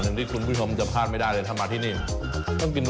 โอ้โฮจากต้นต่ำหลัง